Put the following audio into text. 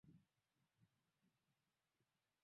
Tutarudi kila siku